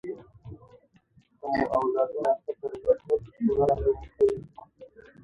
که مو اولادونه ښه تربیه کړل، ټولنه به مو ښه وي.